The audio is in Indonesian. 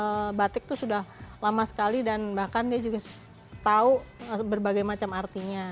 karena batik itu sudah lama sekali dan bahkan dia juga tahu berbagai macam artinya